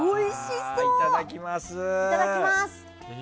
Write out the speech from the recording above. いただきます！